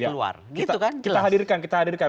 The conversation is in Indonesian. keluar gitu kan kita hadirkan